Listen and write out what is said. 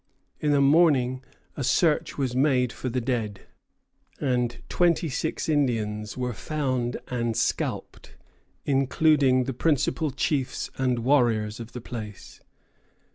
In the morning a search was made for the dead, and twenty six Indians were found and scalped, including the principal chiefs and warriors of the place.